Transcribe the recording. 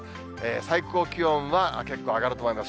最高気温は結構上がると思います。